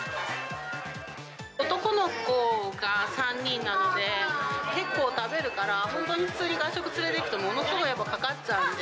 男の子が３人なので、結構食べるから、本当に普通に外食連れていくと、ものすごいやっぱ、かかっちゃうんで。